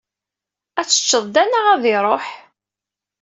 Ad t-teččeḍ da neɣ ad iṛuḥ?